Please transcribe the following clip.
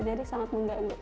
jadi sangat mengganggu